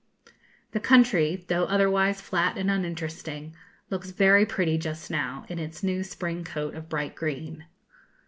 The country, though otherwise flat and uninteresting, looks very pretty just now, in its new spring coat of bright green.